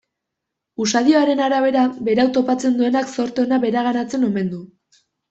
Usadioaren arabera, berau topatzen duenak zorte ona bereganatzen omen du.